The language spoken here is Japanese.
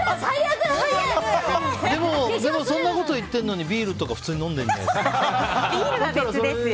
そんなこと言ってるのにビールとか普通に飲んでるじゃない。